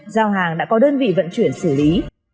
giao hàng đã có đơn vị vận chuyển xử lý